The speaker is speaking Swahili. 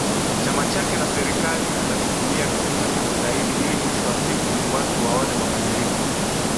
chama chake na Serikali atavitumia vizuri zaidi ili mwisho wa siku watu waone mabadiliko